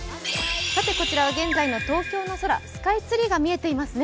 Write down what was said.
こちら現在の東京の空スカイツリーが見えています